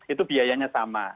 itu biayanya sama